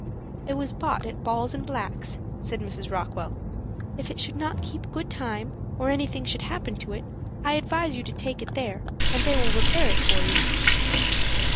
"It was bought at Ball & Black's," said Mrs. Rockwell. "If it should not keep good time, or anything should happen to it, I advise you to take it there, and they will repair it for you."